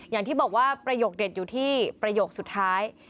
อย่างที่บอกว่าประโยคเด็ดอยู่ที่ประโยคสุดท้าย